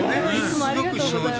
すごく正直。